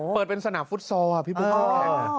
เปิดเป็นสนามฟุตซอลอ่ะพี่บุ๊ค